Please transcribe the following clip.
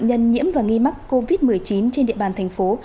nhân nhiễm và nghi mắc covid một mươi chín trên địa bàn thành phố